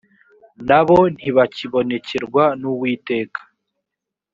na bo ntibakibonekerwa n’uwiteka